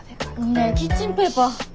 ねえキッチンペーパー。